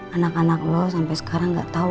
anak anak lu sampai sekarang gak tau